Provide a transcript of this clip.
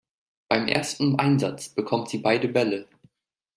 Beim ersten Einsatz bekommt sie beide Bälle.